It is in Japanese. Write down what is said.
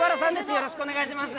よろしくお願いします。